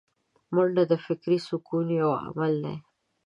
منډه د فکري سکون یو عمل دی